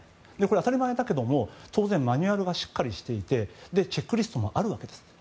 当たり前だけども当然マニュアルがしっかりしていてチェックリストもあるわけです。